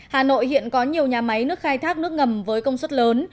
hà nội hiện có nhiều nhà máy nước khai thác nước ngầm với công suất lớn